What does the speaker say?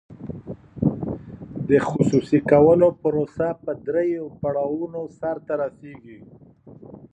د خصوصي کولو پروسه په درې پړاوونو سر ته رسیږي.